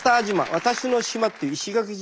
私の島っていう石垣島。